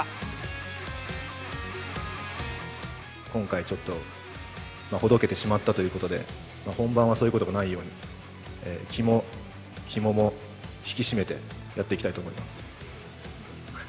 今回、ちょっとほどけてしまったということで、本番はそういうことがないように、気もひもも引き締めてやっていきたいと思います。